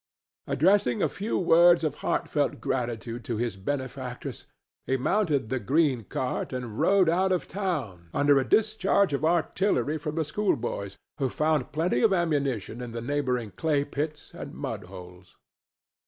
Addressing a few words of heartfelt gratitude to his benefactress, he mounted the green cart and rode out of town under a discharge of artillery from the schoolboys, who found plenty of ammunition in the neighboring clay pits and mud holes.